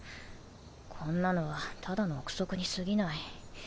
こんなのはただの臆測に過ぎない。